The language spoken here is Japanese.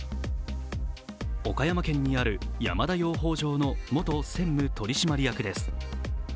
岡山県にある山田養蜂場の元専務取締役です。